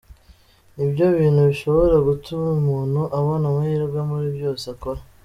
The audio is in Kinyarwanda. Nibyo bintu bishobora gutuma umuntu abona amahirwe muri byose akora.